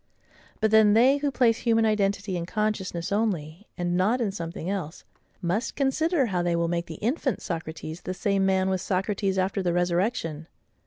But then they who place human identity in consciousness only, and not in something else, must consider how they will make the infant Socrates the same man with Socrates after the resurrection.